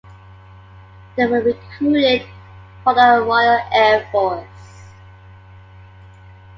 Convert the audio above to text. They were recruited for the Royal Air Force.